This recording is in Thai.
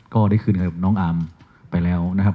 ก็ได้คืนกับน้องอามไปแล้วนะครับ